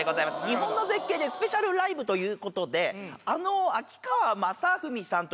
日本の絶景でスペシャルライブということであの。